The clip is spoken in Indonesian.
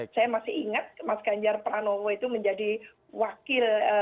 saya masih ingat mas ganjar pranowo itu menjadi wakil